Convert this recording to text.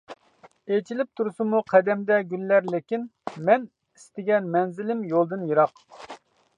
ئېچىلىپ تۇرسىمۇ قەدەمدە گۈللەر لېكىن، مەن ئىستىگەن مەنزىلىم يولىدىن يىراق!